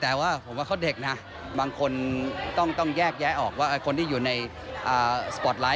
แต่ว่าผมว่าเขาเด็กนะบางคนต้องแยกย้ายออกว่าคนที่อยู่ในสปอร์ตไลท